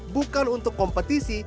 bukan untuk kompetisi